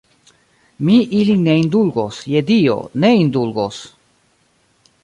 Mi ilin ne indulgos, je Dio, ne indulgos.